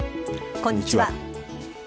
こんにちは。